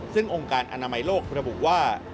ซึ่งองค์การอนามัยโลกระบุว่า